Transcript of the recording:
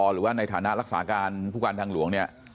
หรือว่าในฐานะรักษาการผู้การทางหลวงเนี่ย